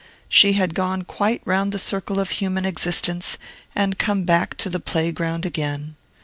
She had gone quite round the circle of human existence, and come back to the play ground again.